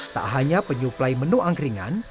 tak hanya penyuplai menu angkringan